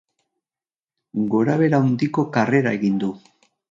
Gorabehera handiko karrera egin du.